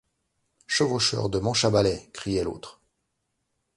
Chevaucheur de manche à balai! criait l’autre.